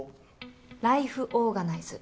ライフオーガナイズ。